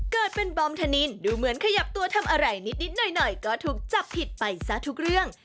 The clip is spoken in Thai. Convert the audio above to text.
เกิดเป็นบอมธนินดูเหมือนขยับตัวทำอะไรนิดหน่อยก็ถูกจับผิดไปซะทุกเรื่อง